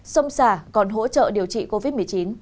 sông xà còn hỗ trợ điều trị covid một mươi chín